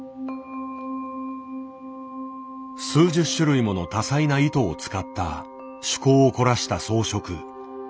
数十種類もの多彩な糸を使った趣向を凝らした装飾。